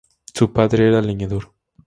Su padre era leñador.